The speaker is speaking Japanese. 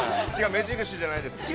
目印じゃないです。